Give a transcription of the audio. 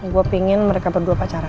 gue pingin mereka berdua pacaran